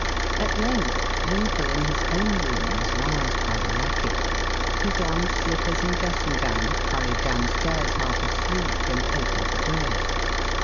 At length Winkle in his own room was roused by the racket. He donned slippers and dressing gown, hurried down stairs half asleep and opened the door.